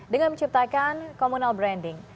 dengan menciptakan komunal branding